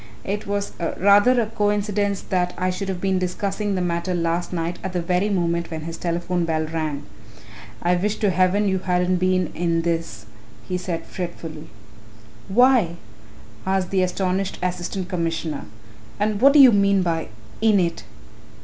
"It was rather a coincidence that I should have been discussing the matter last night at the very moment when his telephone bell rang I wish to heaven you hadn't been in this," he said fretfully. "Why?" asked the astonished Assistant Commissioner, "and what do you mean by 'in it'?"